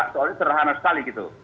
soalnya sederhana sekali gitu